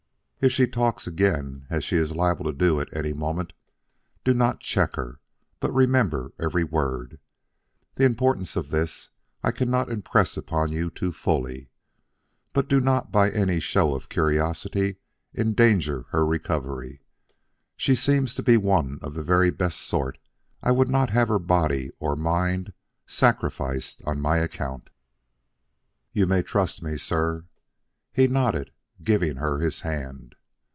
"If she talks again, as she is liable to do at any moment, do not check her, but remember every word. The importance of this I cannot impress upon you too fully. But do not by any show of curiosity endanger her recovery. She seems to be one of the very best sort; I would not have her body or mind sacrificed on any account." "You may trust me, sir." He nodded, giving her his hand.